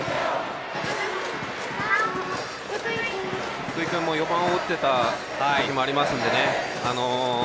福井君も４番を打ってたこともありますのでね。